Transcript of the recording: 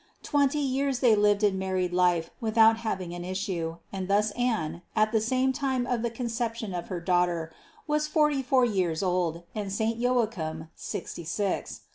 Twenty years they lived in married life with out having an issue, and thus Anne, at the same time of the Conception of her Daughter, was forty four years old, and saint Joachim sixty six.